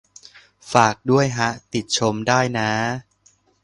ฝากด้วยฮะ ติชมได้น้า